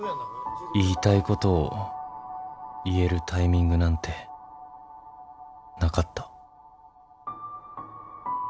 言いたいことを言えるタイミングなんてなかった。